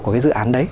của cái dự án đấy